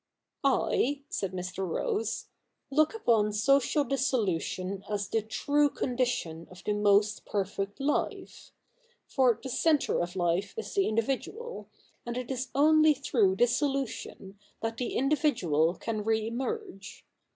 'I,' said Mr. Rose, 'look upon social dissolution as the true condition of the most perfect life. For the centre of life is the individual, and it is only through dissolution that the individual can re emerge.